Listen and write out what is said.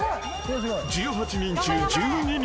［１８人中１２人。